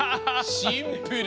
シンプル！